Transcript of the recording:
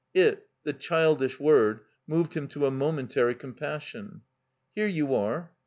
It, the childish word, moved him to a momentary compassion. "Here you are."